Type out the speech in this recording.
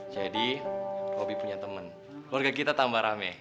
jadi robby punya teman warga kita tambah rame